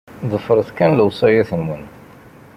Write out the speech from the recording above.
Ḍefreɣ kan lewṣayat-nwen.